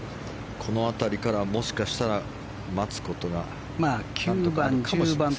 この辺りからもしかしたら待つことがあるかもしれません。